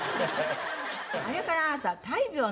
あれからあなた。